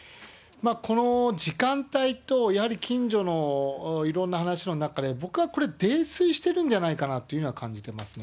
この時間帯と、やはり近所のいろんな話の中で、僕はこれ、泥酔してるんじゃないかなというのは感じてますね。